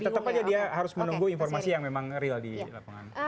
tetap aja dia harus menunggu informasi yang memang real di lapangan